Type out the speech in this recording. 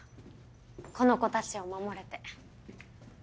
このコたちを守れて。